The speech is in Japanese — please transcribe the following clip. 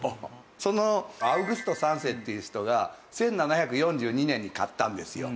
そのアウグスト３世っていう人が１７４２年に買ったんですよ。